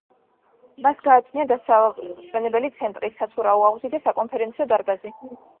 მას გააჩნია დასასვენებელი ცენტრი, საცურაო აუზი და საკონფერენციო დარბაზი.